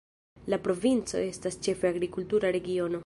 La provinco estas ĉefe agrikultura regiono.